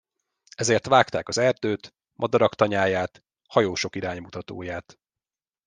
Ezért vágták az erdőt, madarak tanyáját, hajósok iránymutatóját.